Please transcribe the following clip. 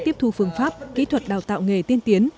tiếp thu phương pháp kỹ thuật đào tạo nghề tiên tiến